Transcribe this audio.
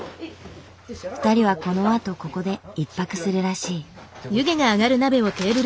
２人はこのあとここで１泊するらしい。